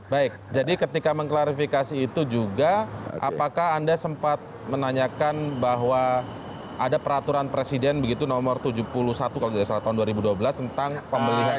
baik jadi ketika mengklarifikasi itu juga apakah anda sempat menanyakan bahwa ada peraturan presiden begitu nomor tujuh puluh satu kalau tidak salah tahun dua ribu dua belas tentang pemilihan